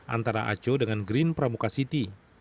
antara aco dengan green pramuka city